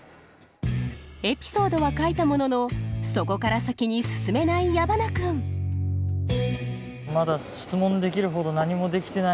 エピソードは書いたもののそこから先に進めない矢花君まだ質問できるほど何もできてない。